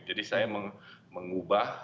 jadi saya mengubah